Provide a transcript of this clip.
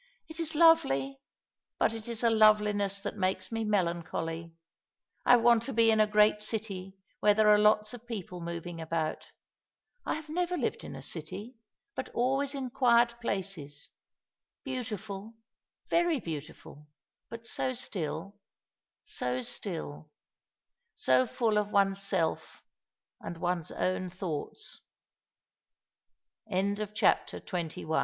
" It is lovely ; but it is a loveliness that makes me melancholy. I want to be in a great city where there are lots of people moving about. I have never lived in a city, but always in quiet places — beautiful, very beautiful, but so still — so still —so full of one's self